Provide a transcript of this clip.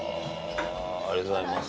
ありがとうございます。